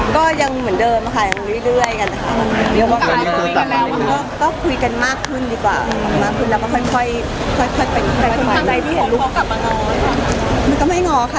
แล้วครอบคร้าทรัพย์ก็ตอนนี้ถามงานยังไง